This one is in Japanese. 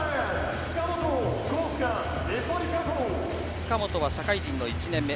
塚本は社会人の１年目。